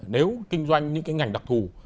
nếu kinh doanh những cái ngành đặc thù